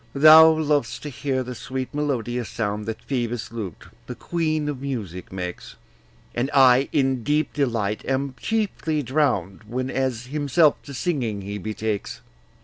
Thou lovest to bear the sweet melodious sound That Phoebus' lute, the queen of music, makes; And I in deep delight am chiefly drown'd Whenas himself to singing he betakes.